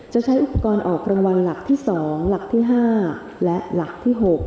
ใช้อุปกรณ์ออกรางวัลหลักที่๒หลักที่๕และหลักที่๖